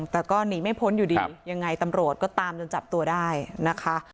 แต่ก็หนีไม่พ้นอยู่ดียังไงตำรวจก็ตามจนจับตัวได้นะคะ